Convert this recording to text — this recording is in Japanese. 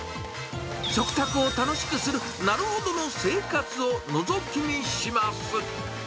食卓を楽しくする、なるほどの生活をのぞき見します。